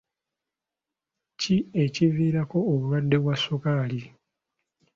Ki ekiviirako obulwadde bwa sukaali?